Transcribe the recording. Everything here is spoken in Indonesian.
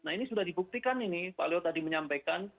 nah ini sudah dibuktikan ini pak leo tadi menyampaikan